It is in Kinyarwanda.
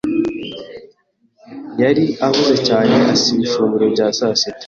yari ahuze cyane asiba ifunguro rya sasita.